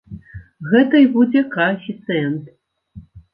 Гэта і будзе каэфіцыент.